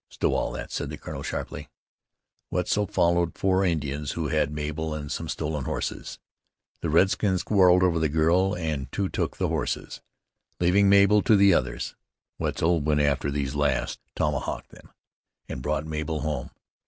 "Stow all that," said the colonel sharply. "Wetzel followed four Indians who had Mabel and some stolen horses. The redskins quarreled over the girl, and two took the horses, leaving Mabel to the others. Wetzel went after these last, tomahawked them, and brought Mabel home.